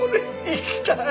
生きたい！